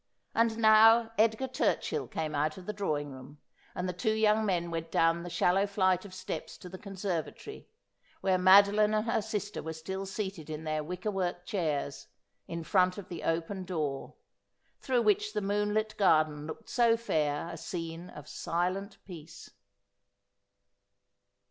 And now Edgar Turchill came out of the drawing room, and the two young men went down the shallow flight of steps to the conservatory, where Stadoline and her sister were still seated in their wicker work chairs in front of the open door, through which the moonlit garden looked so fair a scene of silent peace.